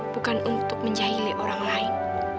bukan untuk menjahini orang lain